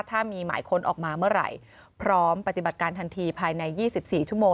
ถ้ามีหมายค้นออกมาเมื่อไหร่พร้อมปฏิบัติการทันทีภายใน๒๔ชั่วโมง